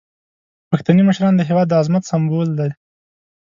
پښتني مشران د هیواد د عظمت سمبول دي.